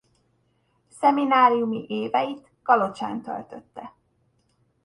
Szemináriumi éveit Kalocsán töltötte.